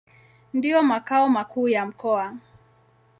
Ndio makao makuu ya mkoa.